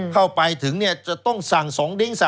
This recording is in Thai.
เข้าไปถึงเนี่ยจะต้องสั่ง๒ดิ้ง